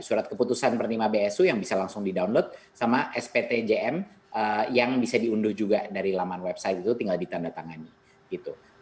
surat keputusan penerima bsu yang bisa langsung di download sama sptjm yang bisa diunduh juga dari laman website itu tinggal ditandatangani gitu